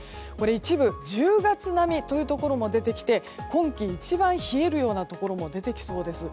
一部、１０月並みというところも出てきまして今季一番冷えるようなところも出てきそうです。